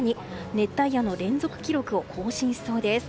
熱帯夜の連続記録を更新しそうです。